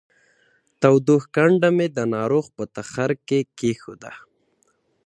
تودوښ کنډه مې د ناروغ په تخرګ کې کېښوده